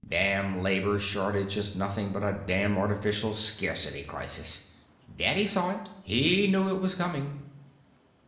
"Damn labor shortage is nothing but a damn artificial scarcity crisis. Daddy saw it; he knew it was coming."